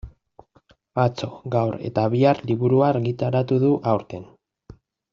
Atzo, gaur eta bihar liburua argitaratu du aurten.